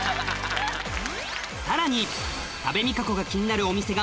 さらに多部未華子が気になるお店が